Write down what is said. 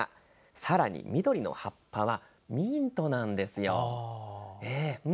さらに、緑の葉っぱはミントなんです。